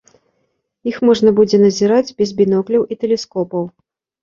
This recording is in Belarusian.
Іх можна будзе назіраць без бінокляў і тэлескопаў.